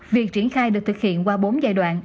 việc triển khai được thực hiện qua bốn giai đoạn